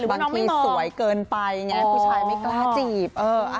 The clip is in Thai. บางทีสวยเกินไปไงผู้ชายไม่กล้าจีบ